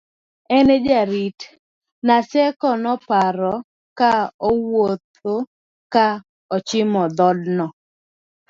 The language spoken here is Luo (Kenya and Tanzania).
en ye jarit, Naseko noparo ka owuodho ka ochomo dhodno